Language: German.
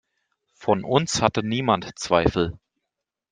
Von uns hatte niemand Zweifel.